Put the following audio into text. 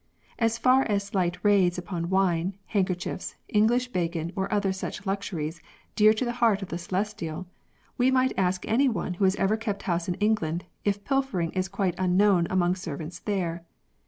As far as slight raids upon wine, handkerchiefs, English bacon, or other such luxuries dear to the heart of the Celestial, we might ask any one who has ever kept house in England if pilfering is quite unknown among servants there.